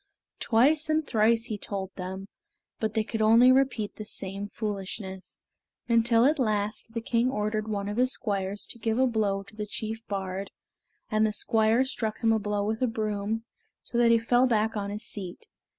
Twice and thrice he told them, but they could only repeat the same foolishness, until at last the king ordered one of his squires to give a blow to the chief bard, and the squire struck him a blow with a broom, so that he fell back on his seat.